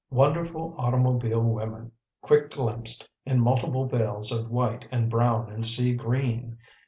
Wonderful automobile women quick glimpsed, in multiple veils of white and brown and sea green.